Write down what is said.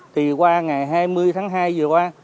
thì qua ngày hai mươi tháng hai vừa qua